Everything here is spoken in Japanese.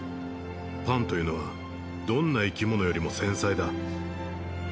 パンというのはどんな生き物よりも繊細だ